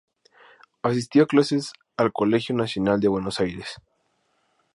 Asistió a clases al Colegio Nacional de Buenos Aires.